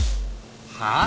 はあ？